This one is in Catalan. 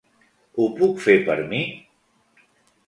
Ho puc fer per mi?